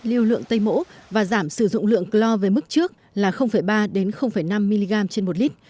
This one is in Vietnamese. lưu lượng tây mỗ và giảm sử dụng lượng clor về mức trước là ba năm mg trên một lít